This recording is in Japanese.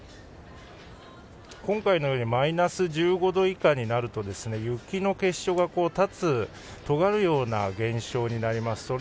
今回のようにマイナス１５度以下になると雪の結晶が立つ、尖るような現象になります。